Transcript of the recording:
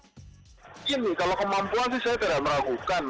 begini kalau kemampuan sih saya tidak meragukan